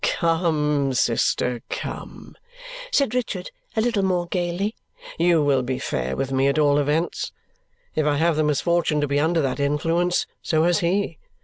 "Come, sister, come," said Richard a little more gaily, "you will be fair with me at all events. If I have the misfortune to be under that influence, so has he.